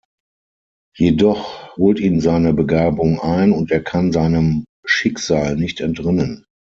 Jedoch holt ihn seine Begabung ein und er kann seinem Schicksal nicht entrinnen.